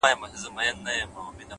نيت چي دی درسمه او سمه آئينه را واخلم’